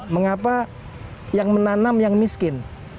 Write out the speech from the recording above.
mengapa yang menanam yang miskin